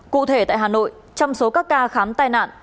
cụ thể tại hà nội trong số các ca khám tai nạn